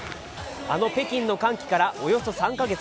あの北京の歓喜からおよそ３カ月。